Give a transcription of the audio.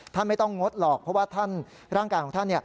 ท่านไม่ต้องงดหรอกเพราะว่าท่านร่างกายของท่าน